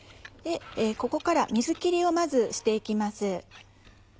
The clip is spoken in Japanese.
ここから水切りをまずして行きます。